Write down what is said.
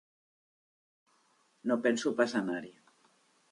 No penso pas anar-hi.